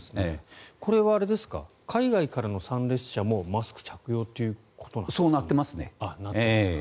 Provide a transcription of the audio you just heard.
これは海外からの参列者もマスク着用ということですか？